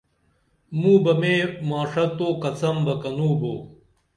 موں بہ میں ماݜہ تو کڅم بہ کنوں بو